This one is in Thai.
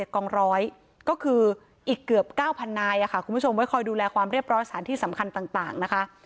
กองร้อยก็คืออีกเกือบ๙๐๐นายคุณผู้ชมไว้คอยดูแลความเรียบร้อยสถานที่สำคัญต่างนะคะ